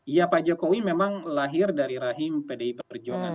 ya pak jokowi memang lahir dari rahim pdi perjuangan